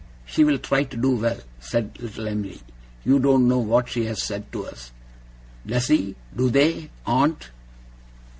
'She will try to do well,' said little Em'ly. 'You don't know what she has said to us. Does he do they aunt?